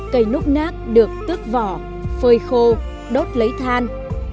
cây núp nát được tước vỏ phơi khô đốt lấy than